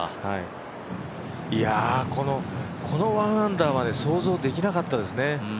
この１アンダーは想像できなかったですね。